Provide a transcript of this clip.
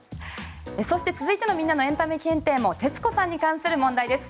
そして続いてのみんなのエンタメ検定も徹子さんに関する問題です。